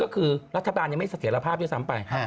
ก็คือรัฐบาลยังไม่เสถียรภาพด้วยซ้ำไป